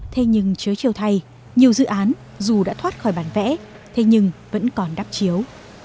thế nhưng chứa chiều thay nhiều dự án dù đã thoát khỏi bản vẽ thế nhưng vẫn còn đắp chiếu